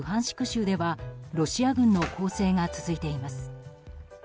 州ではロシア軍の攻勢が続いています。